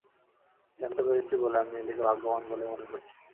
জানতে পেরেছি বলে আমি নিজেকে ভাগ্যবান বলেই মনে করছি।